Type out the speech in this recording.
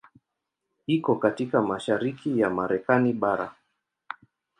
Iko katika mashariki ya Marekani bara.